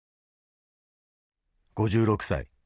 ５６歳。